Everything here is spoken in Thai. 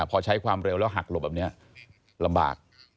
พอใช้ความเร็วแล้วหักหลบแบบนี้ลำบาก